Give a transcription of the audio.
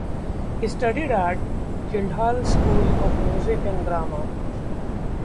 He studied at the Guildhall School of Music and Drama.